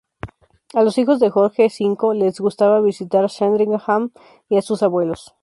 A los hijos de Jorge V les gustaba visitar Sandringham y a sus abuelos.